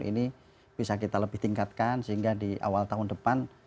sehingga akhir tahun ini bisa kita lebih tingkatkan sehingga di awal tahun depan